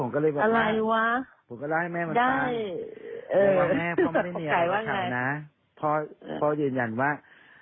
ทงสรรความรู้สึกใจอะไรหรือเปล่าได้ปูไกลว่างัยพ่อยืนยันว่า